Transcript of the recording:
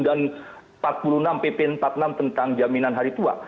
dan empat puluh enam pp empat puluh enam tentang jaminan hari tua